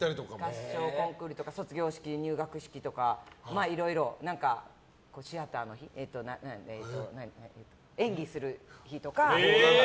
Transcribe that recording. ファッションコンクールとか卒業式、入学式とかシアターの演技する日とか。